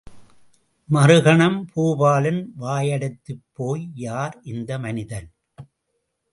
மறுகணம் பூபாலன் வாயடைத்துப் போய் யார் இந்த மனிதன்?